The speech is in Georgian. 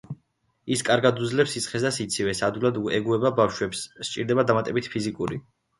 ის კარგად უძლებს სიცხეს და სიცივეს, ადვილად ეგუება ბავშვებს, სჭირდება დამატებითი ფიზიკური დატვირთვა.